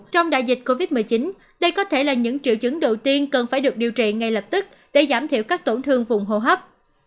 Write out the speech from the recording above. trong đại dịch covid một mươi chín đây có thể là những triệu chứng đầu tiên cần phải được điều trị ngay lập tức để giảm thiểu các tổn thương vùng hồ hấp